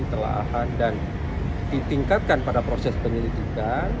telahan dan ditingkatkan pada proses penyelidikan